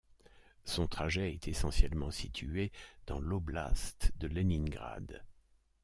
Son trajet est essentiellement situé dans l'oblast de Léningrad.